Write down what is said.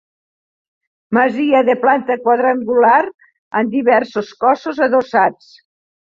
Masia de planta quadrangular, amb diversos cossos adossats.